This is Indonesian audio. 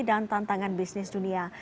dan tantangan bisnis dunia